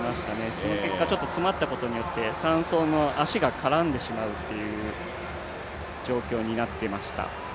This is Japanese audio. その結果、ちょっと詰まったことによって３走の足が絡んでしまうという状況になっていました。